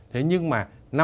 thế nhưng mà năm mươi